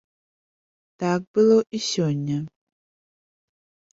Так было і сёння.